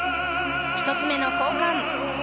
１つ目の交換。